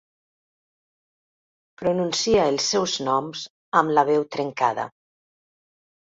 Pronuncia els seus noms amb la veu trencada.